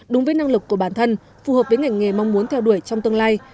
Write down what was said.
đúng với năng lực của bản thân phù hợp với ngành nghề mong muốn theo đuổi trong tương lai